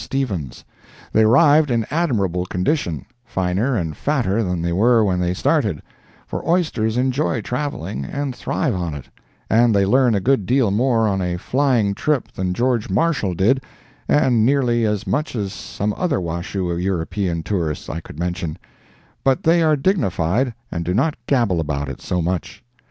Stephens. They arrived in admirable condition—finer and fatter than they were when they started; for oysters enjoy traveling, and thrive on it; and they learn a good deal more on a flying trip than George Marshall did, and nearly as much as some other Washoe European tourists I could mention, but they are dignified and do not gabble about it so much.